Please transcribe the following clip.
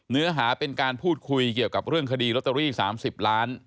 เนื้อหาเป็นการพูดคุยเกี่ยวกับเรื่องคดีลอตเตอรี่๓๐ล้าน